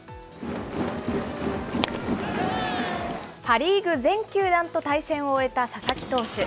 パ・リーグ全球団と対戦を終えた佐々木投手。